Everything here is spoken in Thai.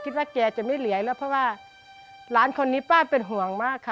คิดว่าแกจะไม่เหลวยหรือก็ว่าร้านคนนี้ป้าเป็นห่วงมากค่ะ